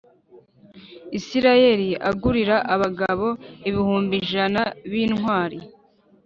Isirayeli agurira abagabo ibihumbi ijana b intwari